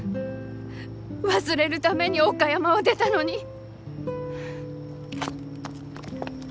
忘れるために岡山を出たのに。